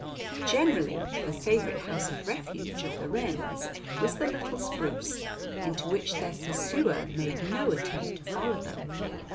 Generally the favorite house of refuge of the wrens was the little spruce, into which their pursuer made no attempt to follow them.